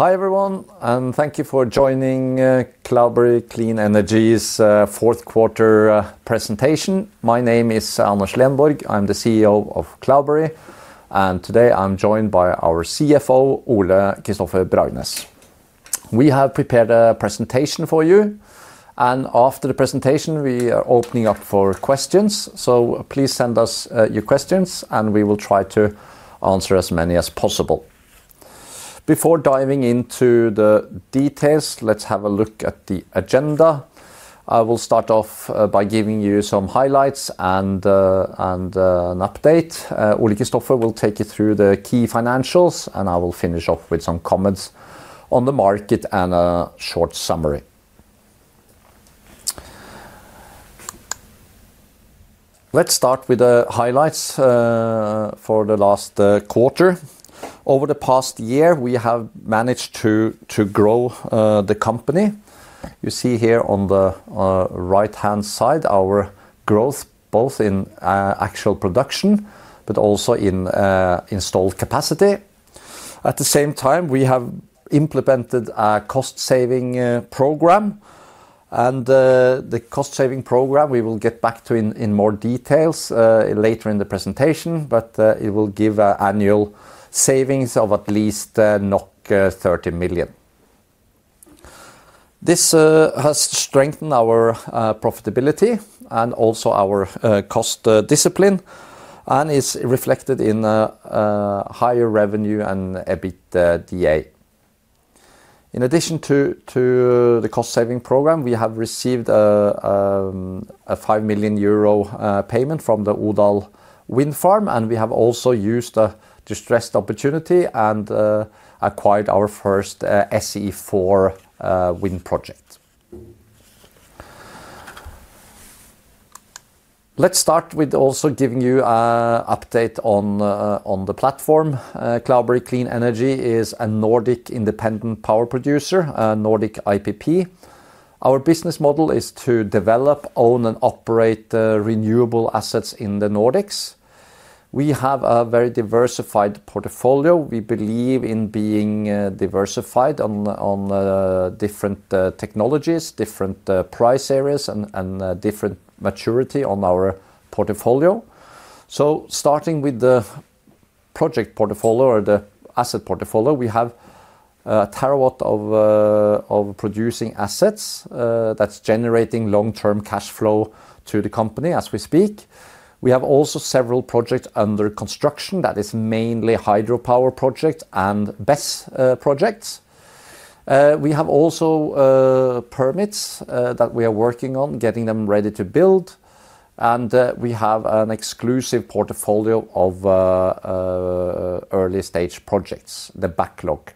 Hi, everyone, and thank you for joining Cloudberry Clean Energy's Q4 presentation. My name is Anders Lenborg. I'm the CEO of Cloudberry, and today I'm joined by our CFO, Ole-Kristoffer Bragnes. We have prepared a presentation for you, and after the presentation, we are opening up for questions. So please send us your questions, and we will try to answer as many as possible. Before diving into the details, let's have a look at the agenda. I will start off by giving you some highlights and an update. Ole-Kristoffer will take you through the key financials, and I will finish off with some comments on the market and a short summary. Let's start with the highlights for the last quarter. Over the past year, we have managed to grow the company. You see here on the right-hand side, our growth, both in actual production, but also in installed capacity. At the same time, we have implemented a cost-saving program, and the cost-saving program, we will get back to in more detail later in the presentation, but it will give annual savings of at least 30 million. This has strengthened our profitability and also our cost discipline, and is reflected in a higher revenue and EBITDA. In addition to the cost-saving program, we have received a 5 million euro payment from the Odal wind farm, and we have also used a distressed opportunity and acquired our first SE4 wind project. Let's start with also giving you an update on the platform. Cloudberry Clean Energy is a Nordic independent power producer, a Nordic IPP. Our business model is to develop, own, and operate renewable assets in the Nordics. We have a very diversified portfolio. We believe in being diversified on different technologies, different price areas, and different maturity on our portfolio. So starting with the project portfolio or the asset portfolio, we have 1 TWh of producing assets, that's generating long-term cash flow to the company as we speak. We have also several projects under construction, that is mainly hydropower project and BESS projects. We have also permits that we are working on, getting them ready to build, and we have an exclusive portfolio of early-stage projects, the backlog.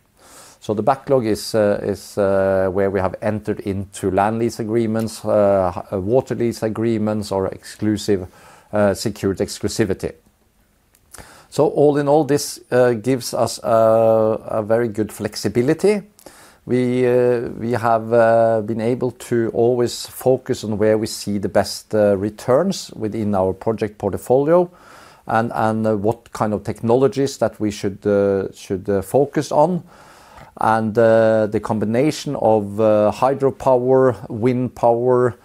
So the backlog is where we have entered into land lease agreements, water lease agreements, or exclusive secured exclusivity. So all in all, this gives us a very good flexibility. We have been able to always focus on where we see the best returns within our project portfolio and what kind of technologies that we should focus on. And the combination of hydropower, wind power,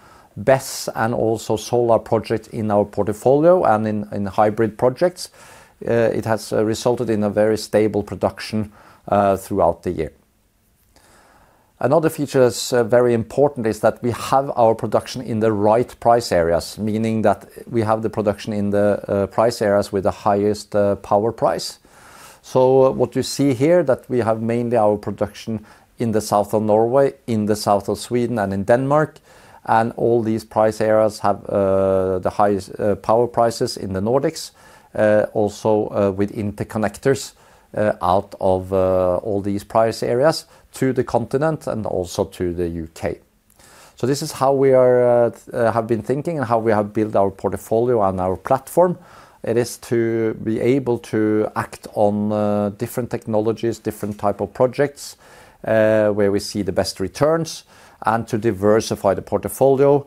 BESS, and also solar projects in our portfolio and in hybrid projects it has resulted in a very stable production throughout the year. Another feature that's very important is that we have our production in the right price areas, meaning that we have the production in the price areas with the highest power price. So what you see here, that we have mainly our production in the south of Norway, in the south of Sweden, and in Denmark, and all these price areas have the highest power prices in the Nordics, also with interconnectors out of all these price areas to the continent and also to the UK. So this is how we have been thinking and how we have built our portfolio and our platform. It is to be able to act on different technologies, different type of projects where we see the best returns, and to diversify the portfolio.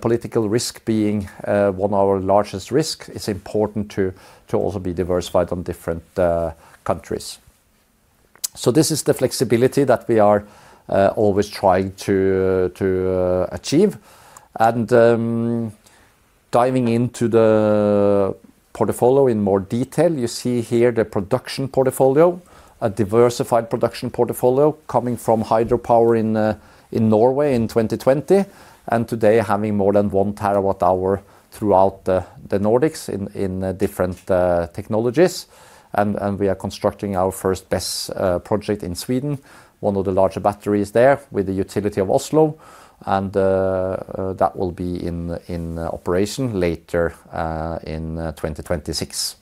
Political risk being one of our largest risk, it's important to also be diversified on different countries. So this is the flexibility that we are always trying to achieve. Diving into the portfolio in more detail, you see here the production portfolio, a diversified production portfolio coming from hydropower in Norway in 2020, and today having more than 1 TWh throughout the Nordics in different technologies. And we are constructing our first BESS project in Sweden, one of the larger batteries there with the utility of Oslo, and that will be in operation later in 2026.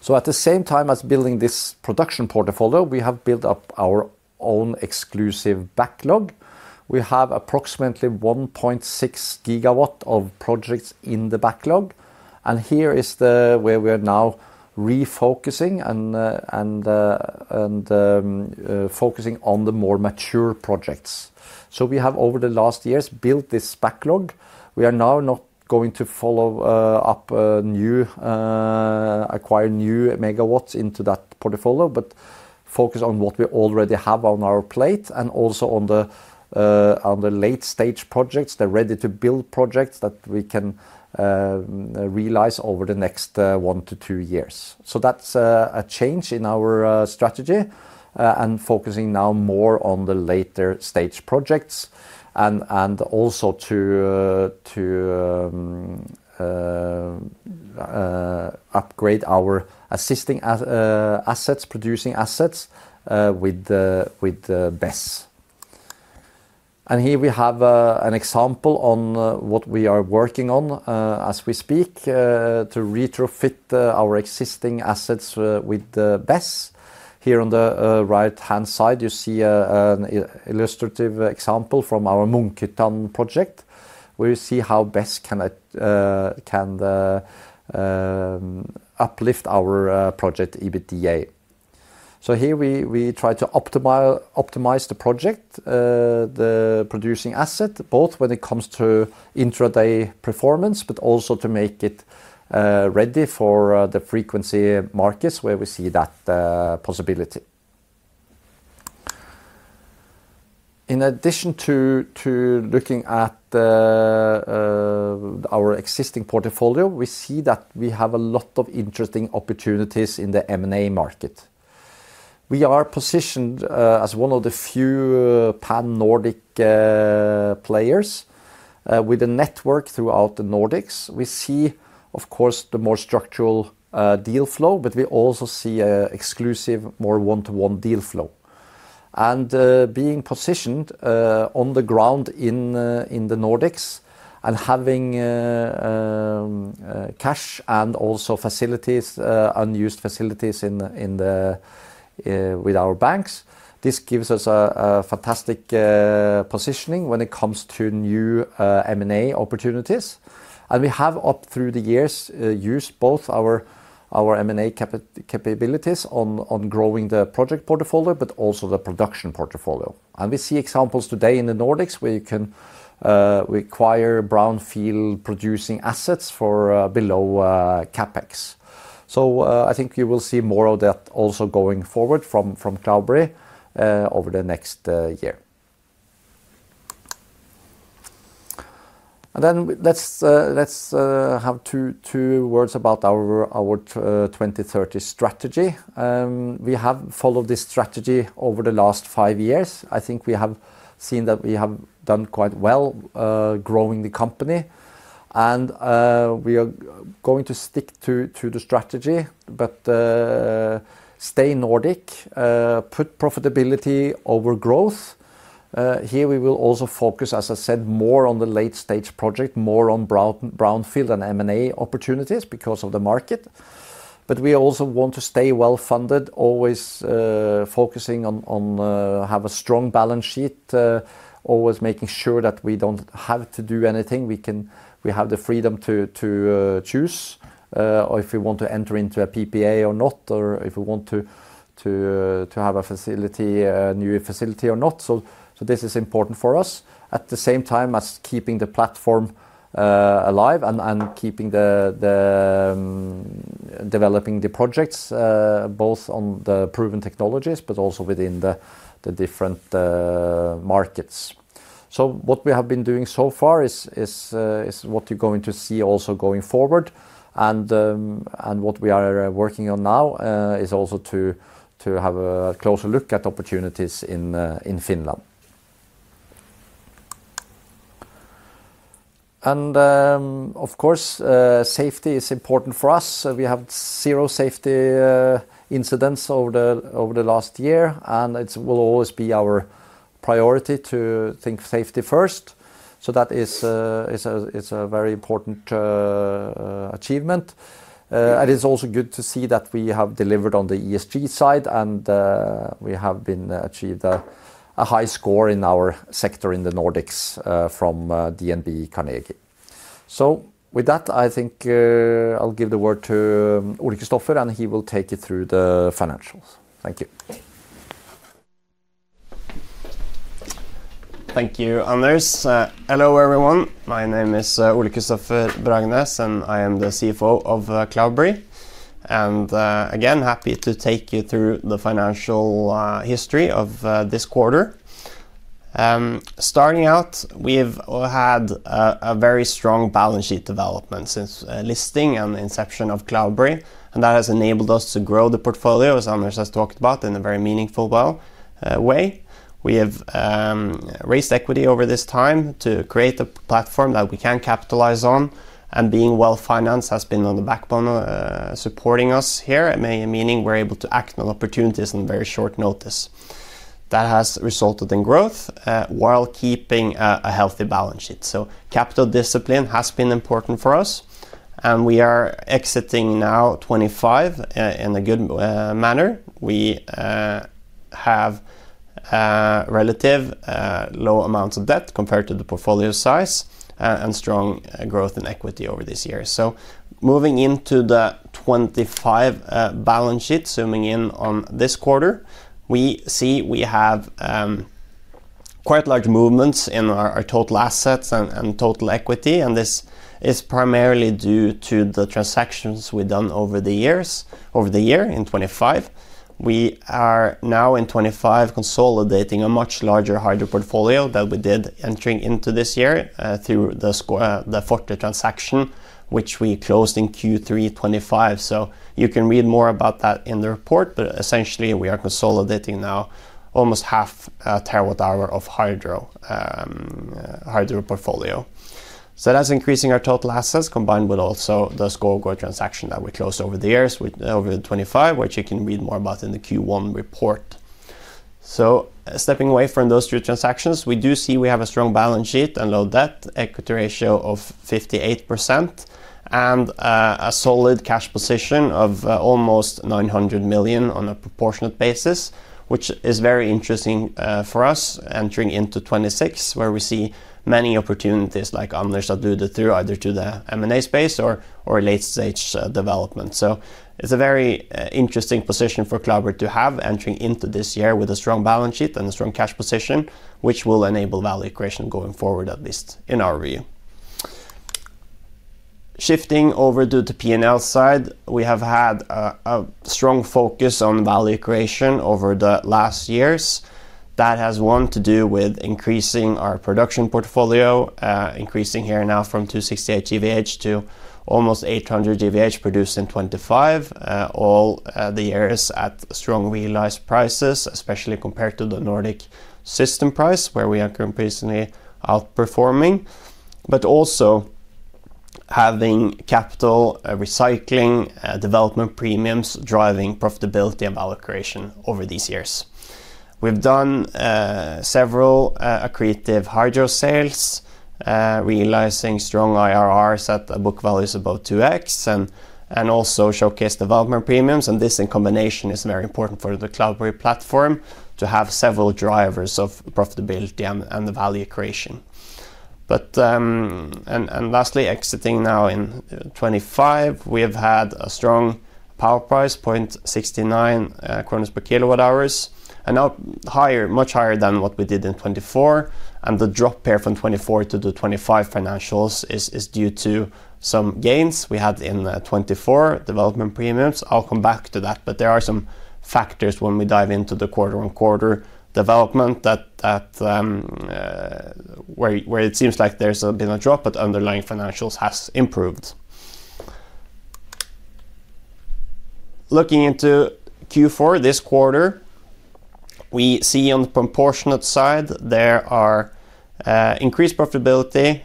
So at the same time as building this production portfolio, we have built up our own exclusive backlog. We have approximately 1.6 GW of projects in the backlog, and here is where we are now refocusing and focusing on the more mature projects. So we have, over the last years, built this backlog. We are now not going to follow up new acquire new megawatts into that portfolio, but focus on what we already have on our plate, and also on the late-stage projects, the ready-to-build projects that we can realize over the next 1-2 years. So that's a change in our strategy, and focusing now more on the later-stage projects, and also to upgrade our existing assets, producing assets, with the BESS. And here we have an example on what we are working on as we speak to retrofit our existing assets with the BESS. Here on the right-hand side, you see an illustrative example from our Munkhyttan project, where you see how BESS can uplift our project EBITDA. So here we try to optimize the project, the producing asset, both when it comes to intra-day performance, but also to make it ready for the frequency markets where we see that possibility. In addition to looking at our existing portfolio, we see that we have a lot of interesting opportunities in the M&A market. We are positioned as one of the few pan-Nordic players with a network throughout the Nordics. We see, of course, the more structural deal flow, but we also see an exclusive, more one-to-one deal flow. And, being positioned on the ground in the Nordics, and having cash and also facilities, unused facilities in the with our banks, this gives us a fantastic positioning when it comes to new M&A opportunities. And we have up through the years used both our M&A capabilities on growing the project portfolio, but also the production portfolio. And we see examples today in the Nordics where you can acquire brownfield-producing assets for below CapEx. So, I think you will see more of that also going forward from Cloudberry over the next year. And then let's have two words about our 2030 strategy. We have followed this strategy over the last 5 years. I think we have seen that we have done quite well growing the company, and we are going to stick to the strategy, but stay Nordic, put profitability over growth. Here, we will also focus, as I said, more on the late-stage project, more on brownfield and M&A opportunities because of the market. But we also want to stay well-funded, always focusing on have a strong balance sheet, always making sure that we don't have to do anything. We have the freedom to choose, or if we want to enter into a PPA or not, or if we want to have a facility, a new facility or not. So this is important for us. At the same time, as keeping the platform alive and keeping the developing the projects both on the proven technologies, but also within the different markets. So what we have been doing so far is what you're going to see also going forward. What we are working on now is also to have a closer look at opportunities in Finland. Of course, safety is important for us. We have 0 safety incidents over the last year, and it will always be our priority to think safety first. So that is a very important achievement. It's also good to see that we have delivered on the ESG side, and we have been achieved a high score in our sector in the Nordics from DNB, Carnegie. So with that, I think I'll give the word to Ole-Kristoffer, and he will take you through the financials. Thank you. Thank you, Anders. Hello, everyone. My name is Ole-Kristoffer Bragnes, and I am the CFO of Cloudberry. Again, happy to take you through the financial history of this quarter. Starting out, we've had a very strong balance sheet development since listing and the inception of Cloudberry, and that has enabled us to grow the portfolio, as Anders has talked about, in a very meaningful way. We have raised equity over this time to create a platform that we can capitalize on, and being well-financed has been on the backbone supporting us here, meaning we're able to act on opportunities in very short notice. That has resulted in growth while keeping a healthy balance sheet. So capital discipline has been important for us, and we are exiting now 2025 in a good manner. We have relatively low amounts of debt compared to the portfolio size and strong growth in equity over this year. So moving into the 2025 balance sheet, zooming in on this quarter, we see we have quite large movements in our total assets and total equity, and this is primarily due to the transactions we've done over the year in 2025. We are now, in 2025, consolidating a much larger hydro portfolio than we did entering into this year through the Forte transaction, which we closed in Q3 2025. You can read more about that in the report, but essentially, we are consolidating now almost half a terawatt-hour of hydro portfolio. That's increasing our total assets, combined with also the Skovgaard transaction that we closed over in 2025, which you can read more about in the Q1 report. Stepping away from those two transactions, we do see we have a strong balance sheet and low debt equity ratio of 58%, and a solid cash position of almost 900 million on a proportionate basis, which is very interesting for us entering into 2026, where we see many opportunities like Anders to do that through, either to the M&A space or late-stage development. So it's a very, interesting position for Cloudberry to have entering into this year with a strong balance sheet and a strong cash position, which will enable value creation going forward, at least in our view. Shifting over to the P&L side, we have had a strong focus on value creation over the last years. That has one to do with increasing our production portfolio, increasing here now from 268 GWh to almost 800 GWh produced in 2025. All the areas at strong realized prices, especially compared to the Nordic system price, where we are continuously outperforming, but also having capital recycling, development premiums, driving profitability and value creation over these years. We've done several accretive hydro sales, realizing strong IRRs at book values above 2x, and also showcased development premiums, and this in combination is very important for the Cloudberry platform to have several drivers of profitability and the value creation. But... and lastly, exiting now in 2025, we have had a strong power price, 0.69 per kWh, and now higher, much higher than what we did in 2024. And the drop here from 2024 to the 2025 financials is due to some gains we had in 2024, development premiums. I'll come back to that, but there are some factors when we dive into the quarter-on-quarter development that where it seems like there's been a drop, but underlying financials has improved. Looking into Q4, this quarter, we see on the proportionate side, there are increased profitability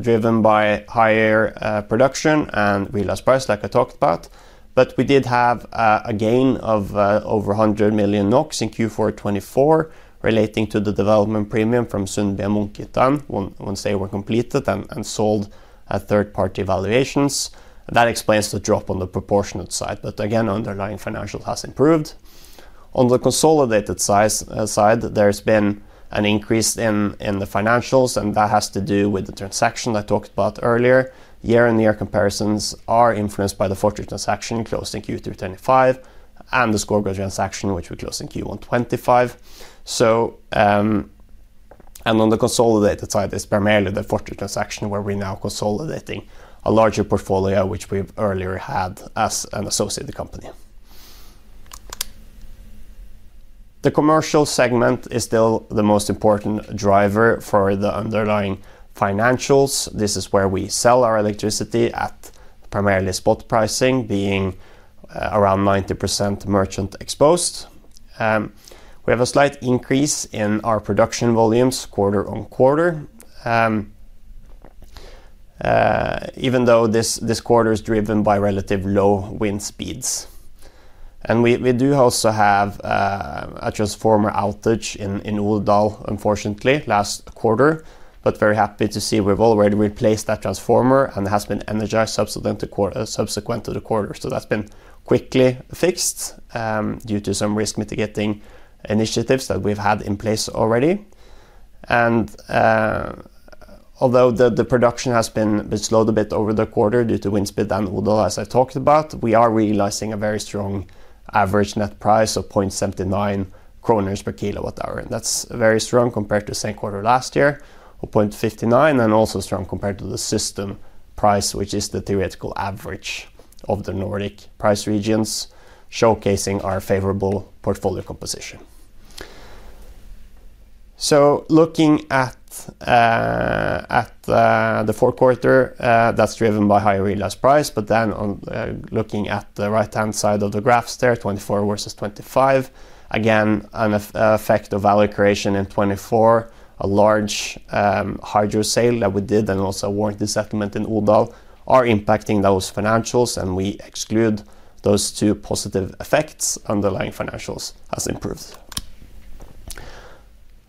driven by higher production and realized price, like I talked about. But we did have a gain of over 100 million NOK in Q4 2024, relating to the development premium from Sundby and Munkhyttan when they were completed and sold at third-party valuations. That explains the drop on the proportionate side, but again, underlying financial has improved. On the consolidated side, there's been an increase in the financials, and that has to do with the transaction I talked about earlier. Year-on-year comparisons are influenced by the Forte transaction closed in Q3 2025 and the Skovgaard transaction, which we closed in Q1 2025. On the consolidated side, it's primarily the Forte transaction, where we're now consolidating a larger portfolio, which we've earlier had as an associated company. The commercial segment is still the most important driver for the underlying financials. This is where we sell our electricity at primarily spot pricing, being around 90% merchant exposed. We have a slight increase in our production volumes quarter-over-quarter. Even though this quarter is driven by relative low wind speeds. We do also have a transformer outage in Odal, unfortunately, last quarter, but very happy to see we've already replaced that transformer and has been energized subsequent to the quarter. So that's been quickly fixed due to some risk-mitigating initiatives that we've had in place already. Although the production has been slowed a bit over the quarter due to wind speed and Odal, as I talked about, we are realizing a very strong average net price of 0.79 kroner per kWh, and that's very strong compared to the same quarter last year of 0.59 per kWh, and also strong compared to the system price, which is the theoretical average of the Nordic price regions, showcasing our favorable portfolio composition. So looking at the Q4, that's driven by higher realized price, but then on looking at the right-hand side of the graphs there, 2024 versus 2025, again, an effect of value creation in 2024, a large hydro sale that we did and also warranty settlement in Odal are impacting those financials, and we exclude those two positive effects. Underlying financials has improved.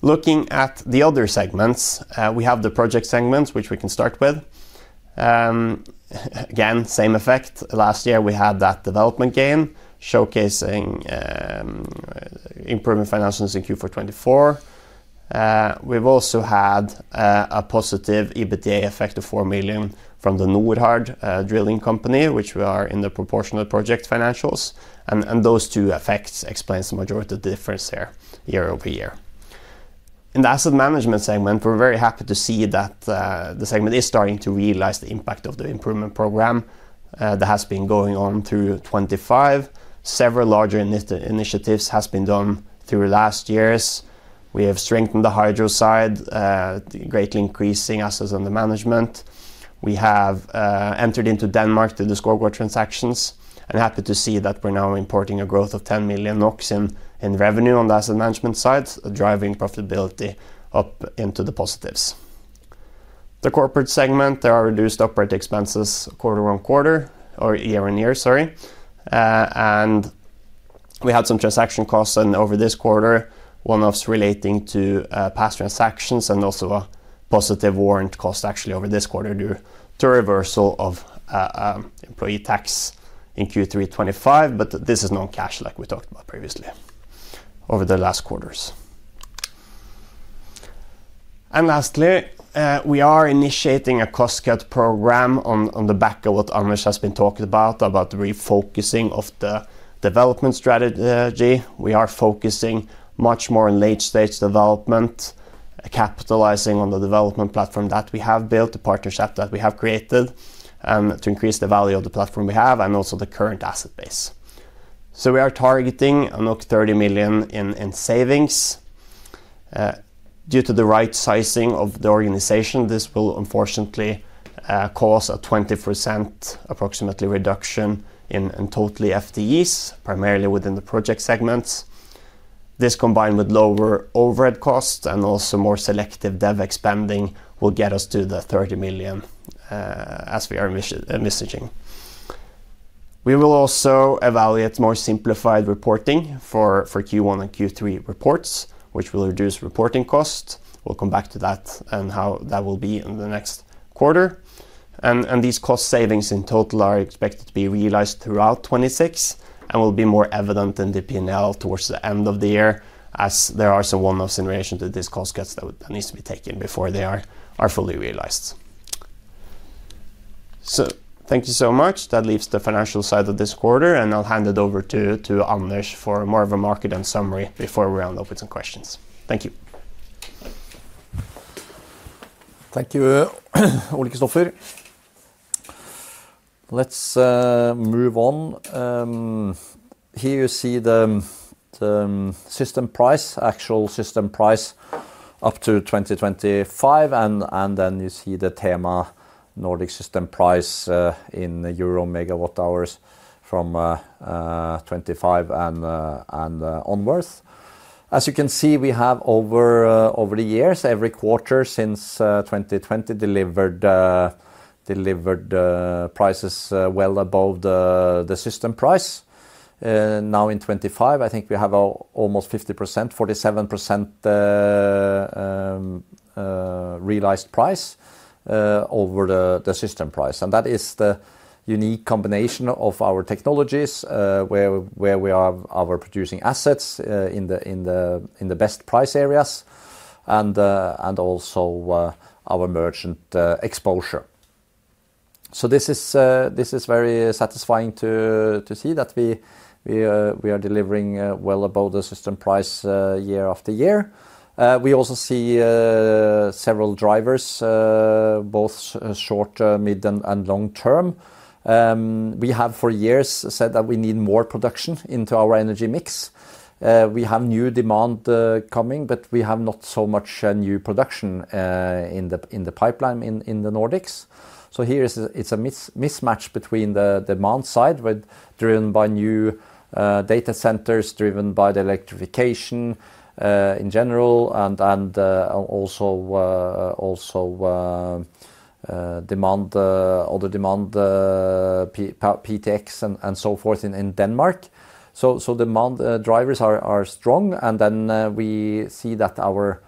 Looking at the other segments, we have the project segments, which we can start with. Again, same effect. Last year, we had that development gain, showcasing improvement financials in Q4 2024. We've also had a positive EBITDA effect of 4 million from the Norhard drilling company, which we are in the proportional project financials. And those two effects explains the majority of the difference there year over year. In the asset management segment, we're very happy to see that the segment is starting to realize the impact of the improvement program that has been going on through 2025. Several larger initiatives has been done through last years. We have strengthened the hydro side, greatly increasing assets under management. We have entered into Denmark through the Skovgaard transactions, and happy to see that we're now importing a growth of 10 million NOK in revenue on the asset management side, driving profitability up into the positives. The corporate segment, there are reduced operating expenses quarter-on-quarter or year-on-year, sorry. And we had some transaction costs, and over this quarter, one was relating to past transactions and also a positive warrant cost actually over this quarter due to reversal of employee tax in Q3 2025, but this is non-cash, like we talked about previously over the last quarters. Lastly, we are initiating a cost-cut program on the back of what Anders has been talking about, about the refocusing of the development strategy. We are focusing much more on late-stage development, capitalizing on the development platform that we have built, the partnership that we have created, to increase the value of the platform we have and also the current asset base. So we are targeting 30 million in, in savings. Due to the right sizing of the organization, this will unfortunately cause a 20% approximately reduction in, in total FTEs, primarily within the project segments. This, combined with lower overhead costs and also more selective dev spending, will get us to the 30 million, as we are messaging. We will also evaluate more simplified reporting for, for Q1 and Q3 reports, which will reduce reporting costs. We'll come back to that and how that will be in the next quarter. These cost savings in total are expected to be realized throughout 2026 and will be more evident in the P&L towards the end of the year, as there are some one-offs in relation to these cost cuts that needs to be taken before they are fully realized. Thank you so much. That leaves the financial side of this quarter, and I'll hand it over to Anders for more of a market and summary before we round up with some questions. Thank you. Thank you, Ole-Kristoffer. Let's move on. Here you see the system price, actual system price up to 2025, and then you see the THEMA Nordic system price in EUR/MWh from 2025 and onwards. As you can see, we have over the years, every quarter since 2020, delivered prices well above the system price. Now in 2025, I think we have almost 50%, 47% realized price over the system price. And that is the unique combination of our technologies, where we have our producing assets in the best price areas, and also our merchant exposure. So this is very satisfying to see that we are delivering well above the system price year after year. We also see several drivers both short, mid, and long term. We have for years said that we need more production into our energy mix. We have new demand coming, but we have not so much new production in the pipeline in the Nordics. So here is a mismatch between the demand side, driven by new data centers, driven by the electrification in general, and also other demand, PtX and so forth in Denmark. So demand drivers are strong, and then we see that our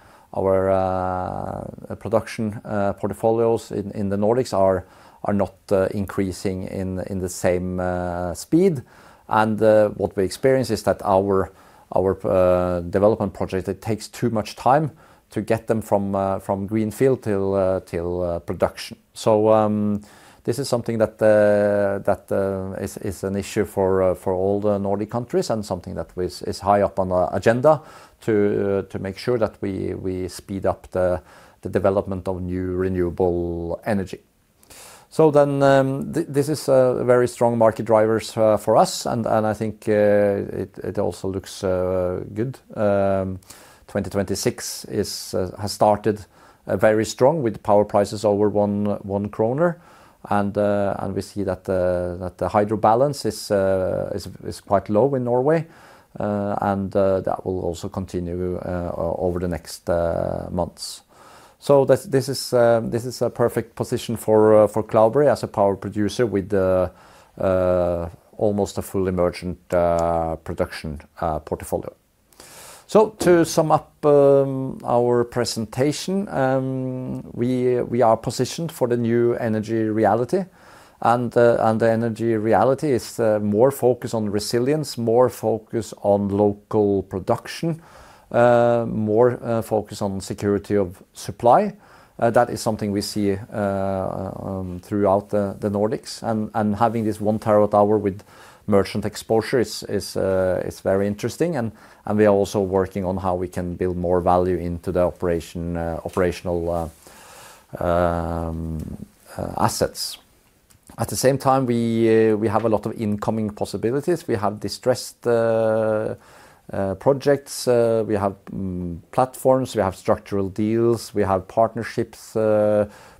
production portfolios in the Nordics are not increasing in the same speed. What we experience is that our development project it takes too much time to get them from greenfield till production. So this is something that is an issue for all the Nordic countries and something that is high up on the agenda to make sure that we speed up the development of new renewable energy. So then this is very strong market drivers for us, and I think it also looks good. 2026 has started very strong with power prices over 1.1 kroner. And we see that the hydro balance is quite low in Norway, and that will also continue over the next months. So this is a perfect position for Cloudberry as a power producer with almost a fully merchant production portfolio. So to sum up our presentation, we are positioned for the new energy reality, and the energy reality is more focused on resilience, more focused on local production, more focused on security of supply. That is something we see throughout the Nordics. Having this 1 TWh with merchant exposure is very interesting, and we are also working on how we can build more value into the operational assets. At the same time, we have a lot of incoming possibilities. We have distressed projects, we have platforms, we have structural deals, we have partnerships,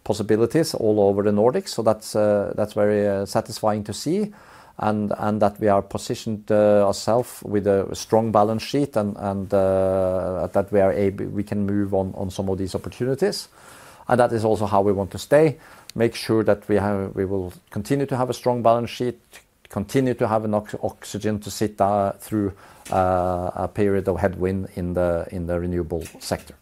possibilities all over the Nordics. So that's very satisfying to see, and that we are positioned ourself with a strong balance sheet and that we are able—we can move on some of these opportunities. And that is also how we want to stay, make sure that we have—we will continue to have a strong balance sheet, continue to have enough oxygen to sit through a period of headwind in the renewable sector.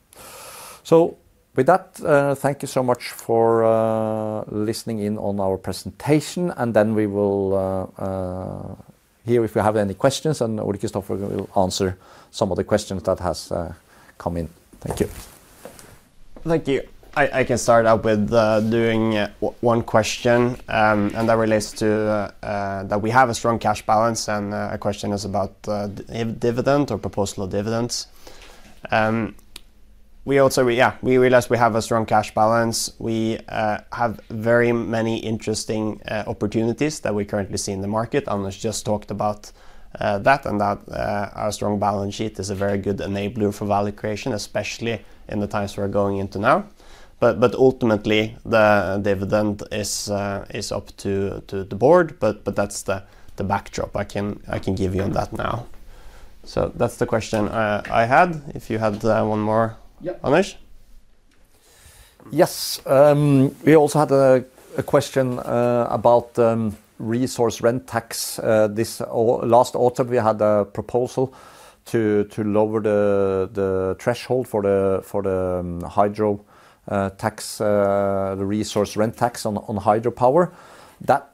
So with that, thank you so much for listening in on our presentation, and then we will hear if you have any questions, and Ole-Kristoffer will answer some of the questions that has come in. Thank you. Thank you. I can start out with doing one question, and that relates to that we have a strong cash balance, and a question is about dividend or proposal of dividends. Yeah, we realize we have a strong cash balance. We have very many interesting opportunities that we currently see in the market, and let's just talked about that, and that our strong balance sheet is a very good enabler for value creation, especially in the times we're going into now. But ultimately, the dividend is up to the board, but that's the backdrop I can give you on that now. So that's the question I had. If you had one more- Yeah. Anders? Yes, we also had a question about resource rent tax. This last autumn, we had a proposal to lower the threshold for the hydro tax, the resource rent tax on hydropower. That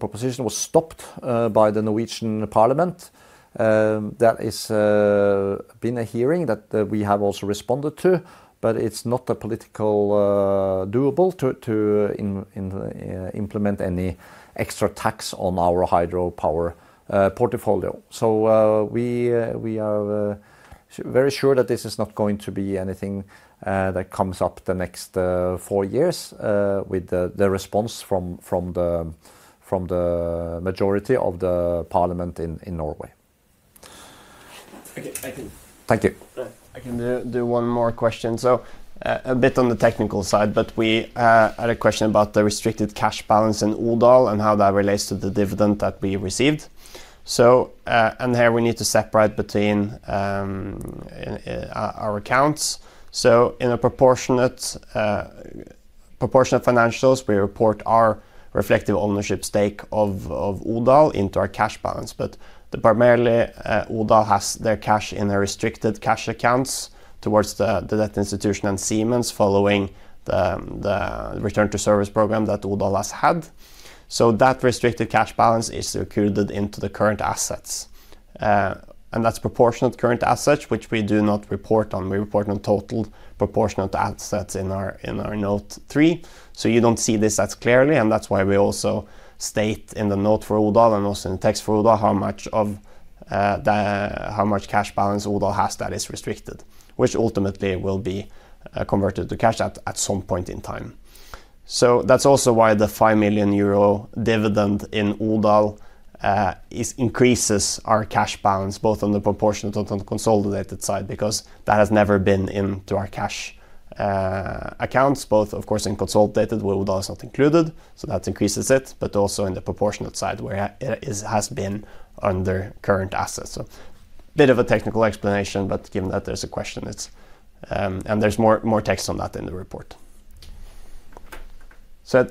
proposition was stopped by the Norwegian Parliament. There is been a hearing that we have also responded to, but it's not a political doable to implement any extra tax on our hydropower portfolio. So, we are very sure that this is not going to be anything that comes up the next four years, with the response from the majority of the parliament in Norway. Okay, I can- Thank you. I can do one more question. So, a bit on the technical side, but we had a question about the restricted cash balance in Odal and how that relates to the dividend that we received. So, and here we need to separate between our accounts. So in a proportionate financials, we report our reflective ownership stake of Odal into our cash balance. But primarily, Odal has their cash in their restricted cash accounts towards the debt institution and Siemens following the return to service program that Odal has had. So that restricted cash balance is accrued into the current assets. And that's proportionate current assets, which we do not report on. We report on total proportionate assets in our note three. So you don't see this as clearly, and that's why we also state in the note for Odal and also in the text for Odal, how much of, how much cash balance Odal has that is restricted, which ultimately will be, converted to cash at, some point in time. So that's also why the 5 million euro dividend in Odal, increases our cash balance, both on the proportionate and consolidated side, because that has never been into our cash, accounts, both of course, in consolidated, where Odal is not included, so that increases it, but also in the proportionate side, where, it is, has been under current assets. So bit of a technical explanation, but given that there's a question, it's... And there's more, more text on that in the report.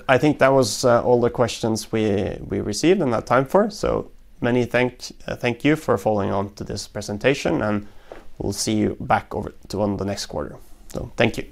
I think that was all the questions we received and had time for. Many thanks, thank you for following on to this presentation, and we'll see you back over to on the next quarter. Thank you.